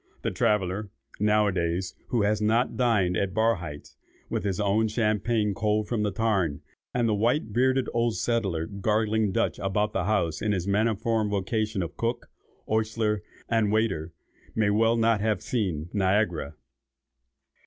The traveller, now a days, who has not dined at Barhydt's, with his own champagne cold from the tarn, and the white headed old settler 'gargling' Dutch about the house in his maniform vocation of cook, ostler, and waiter, may as well not have seen Niagara."